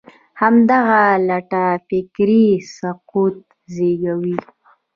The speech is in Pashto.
همدغه لټه فکري سقوط زېږوي.